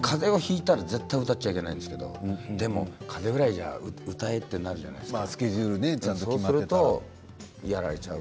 かぜをひいたら絶対歌っちゃいけないんだけどでも、かぜぐらいなら歌えってなるじゃないですか。